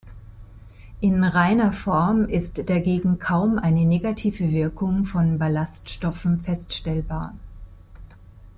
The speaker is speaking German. In reiner Form ist dagegen kaum eine negative Wirkung von Ballaststoffen feststellbar.